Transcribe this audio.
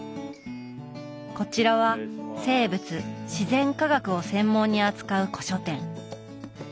こちらは生物自然科学を専門に扱う古書店。